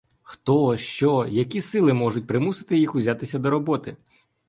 Хто, що, які сили можуть примусити їх узятись до роботи?